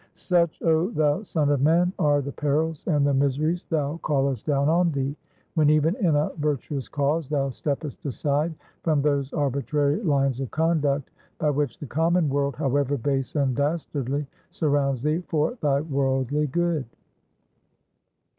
Such, oh thou son of man! are the perils and the miseries thou callest down on thee, when, even in a virtuous cause, thou steppest aside from those arbitrary lines of conduct, by which the common world, however base and dastardly, surrounds thee for thy worldly good.